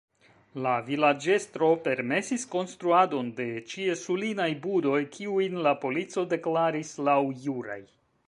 La vilaĝestro permesis konstruadon de ĉiesulinaj budoj, kiujn la polico deklaris laŭjuraj.